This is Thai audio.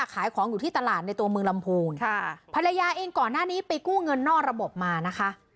ขายของอยู่ที่ตลาดในตัวเมืองลำพูนค่ะภรรยาเองก่อนหน้านี้ไปกู้เงินนอกระบบมานะคะ